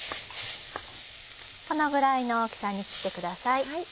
このぐらいの大きさに切ってください。